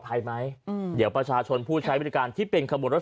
ภัยไหมอืมเดี๋ยวประชาชนผู้ใช้บริการที่เป็นขบวนรถ